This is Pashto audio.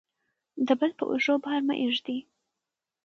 د بل په اوږو بار مه کیږئ.